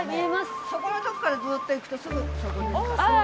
そこのとこからずっと行くとすぐそこですから。